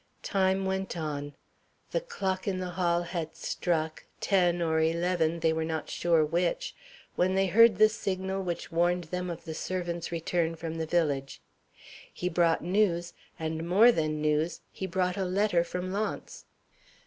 Time went on. The clock in the hall had struck ten or eleven, they were not sure which when they heard the signal which warned them of the servant's return from the village. He brought news, and more than news; he brought a letter from Launce.